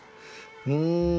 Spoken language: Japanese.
うん。